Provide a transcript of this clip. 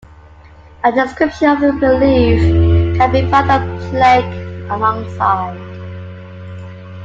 A description of the relief can be found on a plaque alongside.